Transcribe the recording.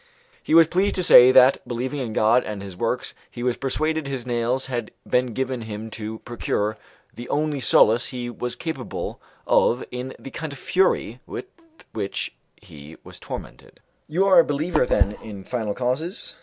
He was pleased to say that, believing in God and His works, he was persuaded his nails had been given him to procure the only solace he was capable of in the kind of fury with which he was tormented. "You are a believer, then, in final causes?